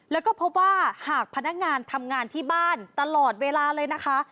แล้วก็พบว่าหากพนักงานทำงานที่บ้านตลอดเวลาเลยนะคะ